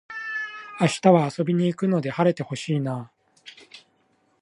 明日は遊びに行くので晴れて欲しいなあ